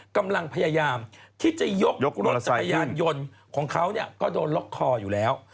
กำลังพยายามที่จะยกรถจักรยานยนต์ของเขาก็โดนล็อกคออยู่แล้ว